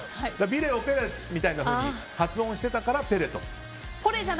ビレをペレみたいなふうに発音してたからペレと。